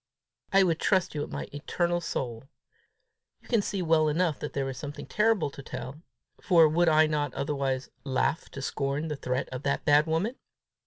I would trust you with my eternal soul. You can see well enough there is something terrible to tell, for would I not otherwise laugh to scorn the threat of that bad woman?